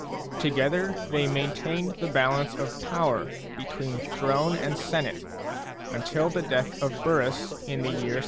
Together they maintained the balance of power between throne and Senate until the death of Burrus in the year 62.